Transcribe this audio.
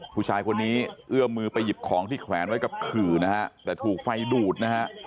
ผู้ชายคนนี้เอื้อมมือไปหยิบของที่แขวนไว้กับขื่อนะฮะแต่ถูกไฟดูดนะฮะ